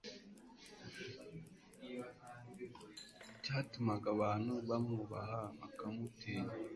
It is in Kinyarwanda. cyatumaga abantu bamwubaha bakanamutinya.